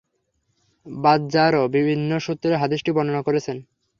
বাযযারও ভিন্ন সূত্রে হাদীসটি বর্ণনা করেছেন।